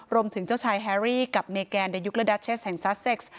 รวมถึงเจ้าชายแฮรี่กับเมแกนเดยุคและดาเชสแห่งซาเซ็กซ์